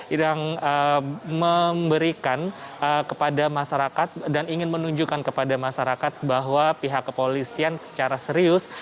yang memberikan kepada masyarakat dan ingin menunjukkan kepada masyarakat bahwa pihak kepolisian secara serius